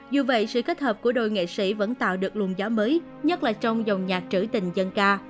dù vậy sự kết hợp của đội nghệ sĩ vẫn tạo được luồn gió mới nhất là trong dòng nhạc trữ tình dân ca